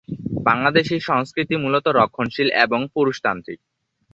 বাংলাদেশী সংস্কৃতি মূলত রক্ষণশীল এবং পুরুষতান্ত্রিক।